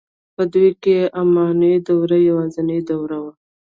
په دوی کې اماني دوره یوازنۍ دوره وه.